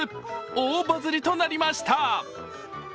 大バズりとなりました。